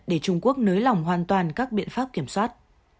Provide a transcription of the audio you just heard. để trung quốc nới lỏng hoàn toàn các biện pháp kiểm soát